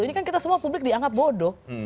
ini kan kita semua publik dianggap bodoh